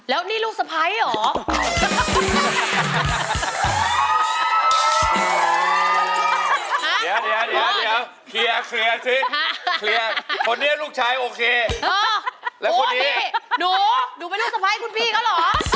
แล้วนี่ลูกสะไพรหรอ